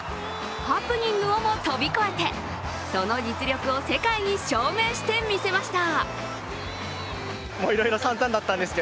ハプニングをも飛び越えてその実力を世界に証明して見せました。